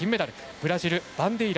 ブラジル、バンデイラ。